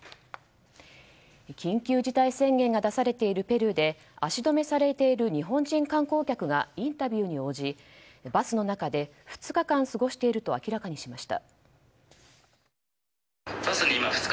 緊急事態宣言が出されているペルーで足止めされている日本人観光客がインタビューに応じバスの中で２日間過ごしていると明らかにしました。